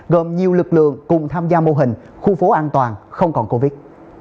gồm nhiều lực lượng cùng tham gia mô hình khu phố an toàn không còn covid